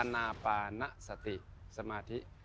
อณปานะสติสมาที